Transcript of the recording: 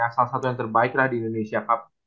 salah satu yang terbaik adalah di indonesia cup